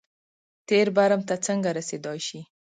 تېر برم ته څنګه رسېدای شي.